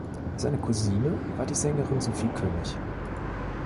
Seine Cousine war die Sängerin Sophie König.